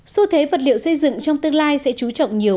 số thế vật liệu xây dựng trong tương lai sẽ chú trọng nhiều